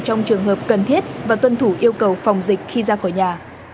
trong trường hợp cần thiết và tuân thủ yêu cầu phòng dịch khi ra khỏi nhà